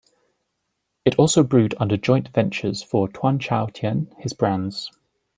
It also brewed under joint ventures for Tuan Chau Tien, his brands.